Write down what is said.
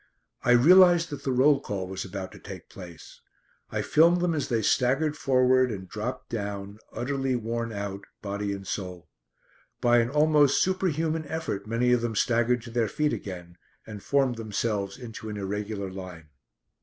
I realised that the roll call was about to take place. I filmed them as they staggered forward and dropped down utterly worn out, body and soul. By an almost superhuman effort many of them staggered to their feet again, and formed themselves into an irregular line.